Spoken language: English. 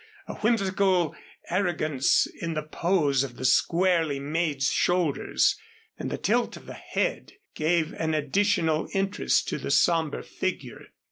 A whimsical arrogance in the pose of the squarely made shoulders and the tilt of the head gave an additional interest to the somber figure.